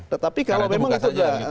tetapi kalau memang itu